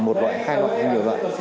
một loại hai loại hay nhiều loại